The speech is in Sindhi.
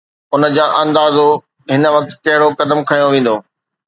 ان جو اندازو هن وقت ڪھڙو قدم کنيو ويندو.